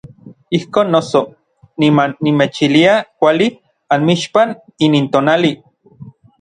Ijkon noso, niman nimechilia kuali anmixpan inin tonali.